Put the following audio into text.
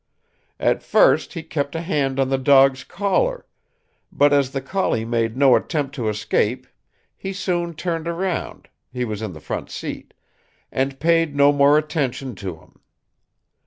At first he kept a hand on the dog's collar, but as the collie made no attempt to escape, he soon turned around he was in the front seat and paid no more attention to him.